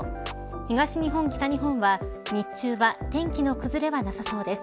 東日本、北日本は日中は天気の崩れはなさそうです。